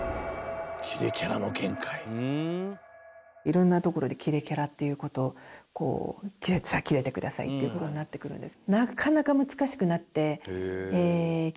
色んなところでキレキャラっていう事をこう「さあキレてください」っていう事になってくるんです。